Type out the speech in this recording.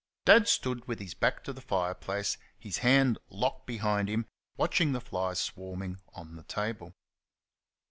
Dad stood with his back to the fire place, his hand locked behind him, watching the flies swarming on the table.